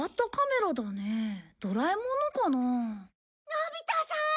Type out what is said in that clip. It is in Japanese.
のび太さん！